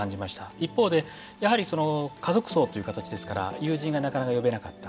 一方で、やはり家族葬という形ですから友人がなかなか呼べなかった。